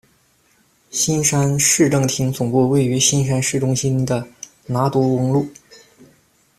新山市政厅总部位于新山市中心的拿督翁路。